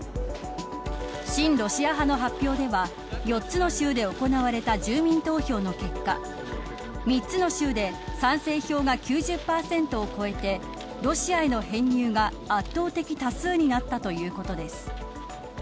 親ロシア派の発表では４つの州で行われた住民投票の結果３つの州で賛成票が９０％を超えてロシアへの編入が圧倒的多数になったということです。